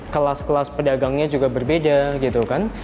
kelas kelas pedagangnya juga berbeda gitu kan